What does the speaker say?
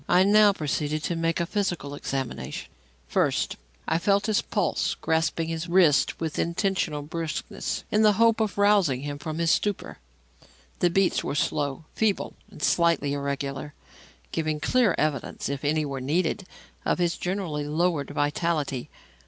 I now proceeded to make a physical examination. First, I felt his pulse, grasping his wrist with intentional brusqueness in the hope of rousing him from his stupor. The beats were slow, feeble and slightly irregular, giving clear evidence, if any were needed, of his generally lowered vitality.